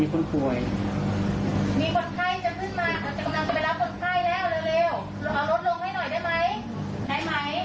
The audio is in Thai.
มีคนไข้จะขึ้นมาเราจะกำลังไปรับคนไข้แล้วเร็ว